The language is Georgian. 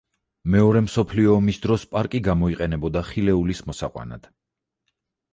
მეორე მსოფლიო ომის დროს პარკი გამოიყენებოდა ხილეულის მოსაყვანად.